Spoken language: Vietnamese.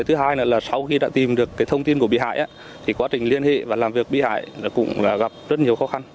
thứ hai là sau khi đã tìm được thông tin của bị hại thì quá trình liên hệ và làm việc bị hại cũng gặp rất nhiều khó khăn